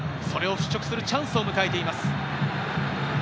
それを払拭するチャンスを迎えています。